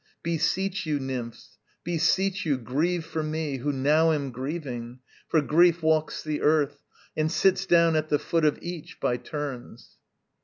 Beseech you, nymphs, beseech you, grieve for me Who now am grieving; for Grief walks the earth, And sits down at the foot of each by turns.